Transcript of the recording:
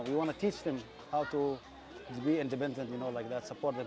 selatan kesiguamanya dilakukan oleh gl dagang upah otot